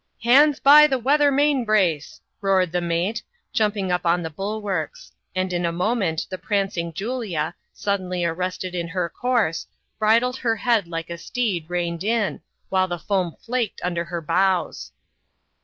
"Hands by the weather main brace ! roared the mate, jumping up on the bulwarks ; and in a moment the prancing Julia, suddenly arrested in her course, bridled her head like a steed reined in, while the foam faked under her bows.